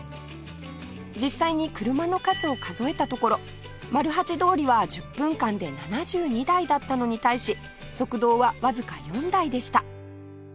実際に車の数を数えたところ丸八通りは１０分間で７２台だったのに対し側道はわずか４台でした